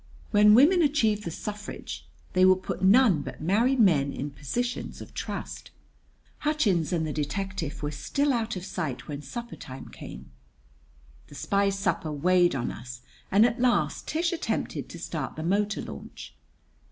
When women achieve the suffrage they will put none but married men in positions of trust." Hutchins and the detective were still out of sight when supper time came. The spy's supper weighed on us, and at last Tish attempted to start the motor launch.